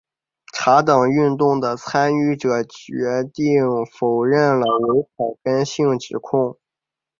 茶党运动的参与者坚决否认了伪草根性的指控。